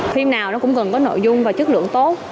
khi nào nó cũng cần có nội dung và chất lượng tốt